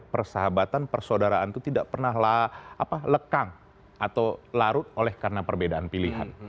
persahabatan persaudaraan itu tidak pernahlah lekang atau larut oleh karena perbedaan pilihan